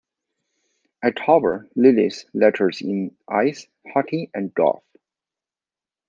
At Culver, Liles lettered in ice hockey and golf.